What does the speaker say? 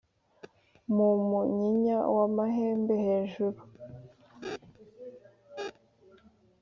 mu munyinya w'amahembe hejuru